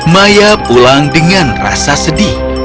maya pulang dengan rasa sedih